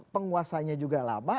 penguasanya juga lama